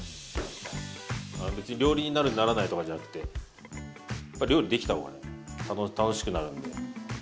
別に料理人になるならないとかじゃなくて料理できた方が楽しくなるんで。